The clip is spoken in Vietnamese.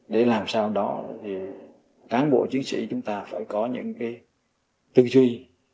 để làm sao đó thì cán bộ chiến sĩ chúng ta phải có những cái tư duy